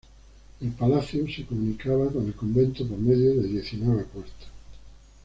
El palacio se comunicaba con el convento por medio de diecinueve puertas.